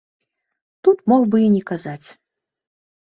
Тут мог бы і не казаць.